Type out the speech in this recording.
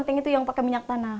lampu on itu yang pakai minyak tanah